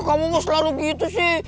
kamu selalu gitu sih